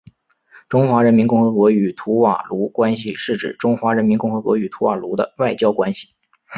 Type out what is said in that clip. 中华人民共和国与图瓦卢关系是指中华人民共和国与图瓦卢的外交关系。